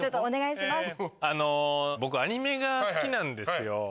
僕、アニメが好きなんですよ。